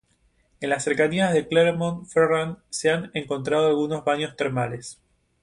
En las cercanías de Clermont-Ferrand se han encontrado algunos baños termales.